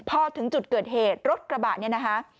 พอถึงจุดเกิดเหตุรถกระบะเนี่ยนะคะ